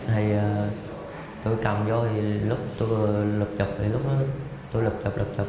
thì tôi cầm vô lúc tôi lục chụp lúc đó tôi lục chụp lục chụp